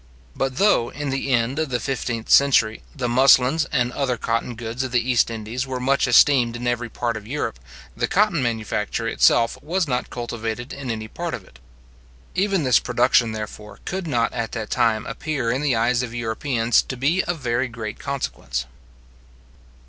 But though, in the end of the fifteenth century, the muslins and other cotton goods of the East Indies were much esteemed in every part of Europe, the cotton manufacture itself was not cultivated in any part of it. Even this production, therefore, could not at that time appear in the eyes of Europeans to be of very great consequence.